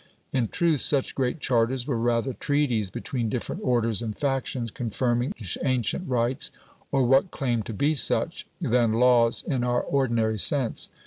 In truth, such great "charters" were rather treaties between different orders and factions, confirming ancient rights, or what claimed to be such, than laws in our ordinary sense.